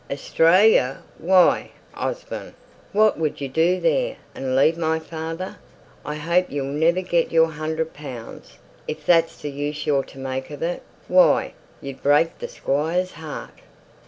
"Australia! Why, Osborne, what could you do there? And leave my father! I hope you'll never get your hundred pounds, if that's the use you're to make of it! Why, you'd break the Squire's heart."